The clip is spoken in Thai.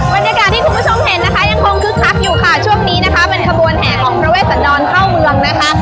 บรรยากาศที่คุณผู้ชมเห็นนะคะยังคงคึกคักอยู่ค่ะช่วงนี้นะคะเป็นขบวนแห่ของพระเวชสันดรเข้าเมืองนะคะ